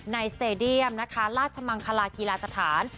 ในสเตดียมราชมังคลากีฬาสถาน